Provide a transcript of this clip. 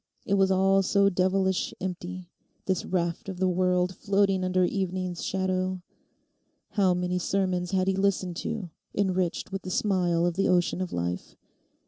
It was all so devilish empty—this raft of the world floating under evening's shadow. How many sermons had he listened to, enriched with the simile of the ocean of life.